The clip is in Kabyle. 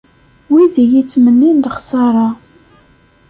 Wid i iyi-ittmennin lexsara.